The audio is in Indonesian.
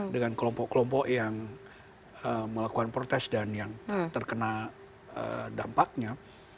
dengan kelompok kelompok yang melakukan protes dan yang terkena dampaknya